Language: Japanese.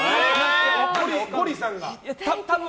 ゴリさんが？